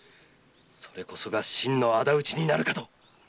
それこそが真の仇討ちになるかと。